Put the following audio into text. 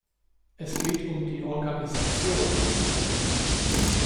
Es geht um die Organisation.